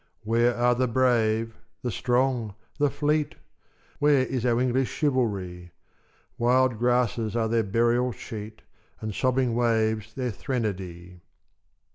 Where are the brave, the strong, the fleet? Where is our English chivalry? Wild grasses are their burial sheet, And sobbing waves their threnody.